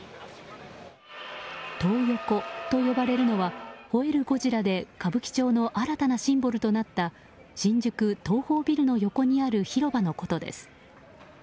トー横と呼ばれるのはほえるゴジラで歌舞伎町の新たなシンボルとなった新宿東宝ビルの横にある広場のことです。